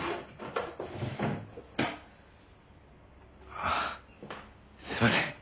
ああすいません